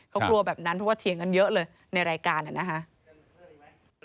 เขากลัวแบบนั้นเพราะว่าเถียงกันเยอะเลยในรายการนะครับ